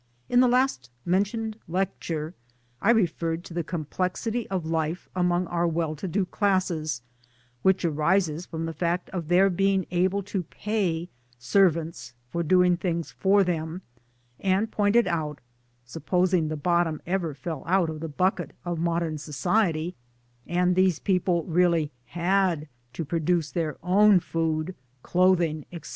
In the last mentioned lecture I referred to the com plexity of life among" our well to do classes which arises from the fact of their being" able to pay servants for doing things for them, and pointed out (supposing the bottom ever fell out of the bucket of modern society, and these people really had to produce their own food, clothing, etc.)